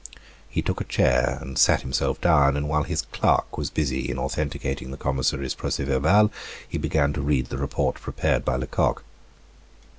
He took a chair and sat himself down, and while his clerk was busy in authenticating the commissary's proces verbal, he began to read the report prepared by Lecoq.